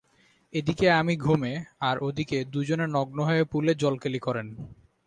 এদিকে আমি ঘুমে আর ওদিকে দুজনে নগ্ন হয়ে পুলে জলকেলি করেন।